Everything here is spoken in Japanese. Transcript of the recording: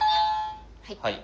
はい。